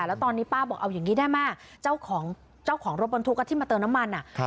แล้วตอนนี้ป้าบอกเอาอย่างนี้ได้ไหมเจ้าของเจ้าของรถบรรทุกที่มาเติมน้ำมันอ่ะ